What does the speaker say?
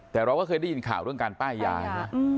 แต่เราก็เคยได้ยินข่าวเรื่องการป้ายยายนะ